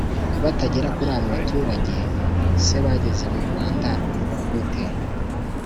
batagera kuri abo baturage se bageze mu rwanda gute?